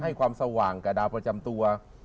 ให้ความสว่างกับดาวประจำตัว